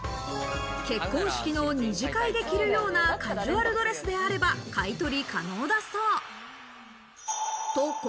結婚式の二次会で着るようなカジュアルドレスであれば買い取り可能だそう。